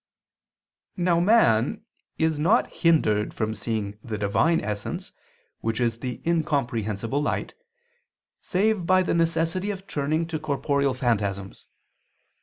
Now man is not hindered from seeing the Divine essence, which is the incomprehensible light, save by the necessity of turning to corporeal phantasms.